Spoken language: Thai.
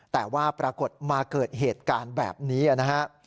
แต่ว่าปรากฏมาเกิดเหตุการณ์แบบนี้นะฮะ